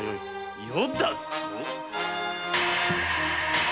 「余」だと？